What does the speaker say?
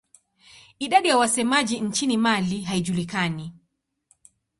Idadi ya wasemaji nchini Mali haijulikani.